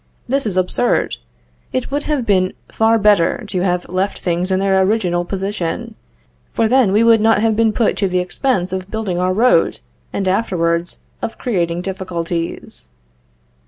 This is absurd. It would have been far better to have left things in their original position, for then we would not have been put to the expense of building our road, and afterwards of creating difficulties.